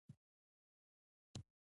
وروسته خپره شوه !